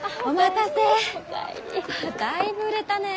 たいぶ売れたね。